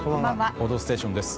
「報道ステーション」です。